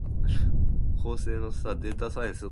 Courts are responsible for upholding and interpreting the law.